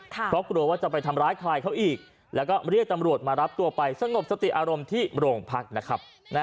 เพราะกลัวว่าจะไปทำร้ายใครเขาอีกแล้วก็เรียกตำรวจมารับตัวไปสงบสติอารมณ์ที่โรงพักนะครับ